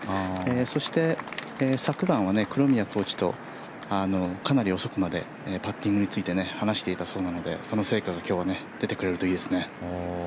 そして、昨晩は黒宮コーチとかなり遅くまでパッティングについて話していたそうなのでその成果が今日は出てくれるといいですね。